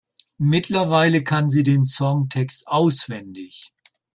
Mittlerweile kann sie den Songtext auswendig.